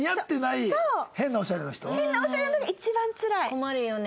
困るよね！